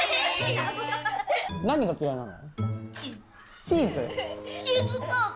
何が嫌いなの？